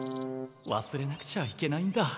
わすれなくちゃいけないんだ。